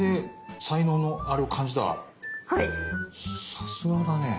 さすがだね。